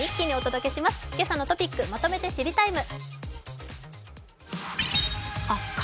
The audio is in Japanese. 「けさのトピックまとめて知りＴＩＭＥ，」